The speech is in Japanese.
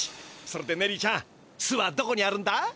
それでネリーちゃん巣はどこにあるんだ？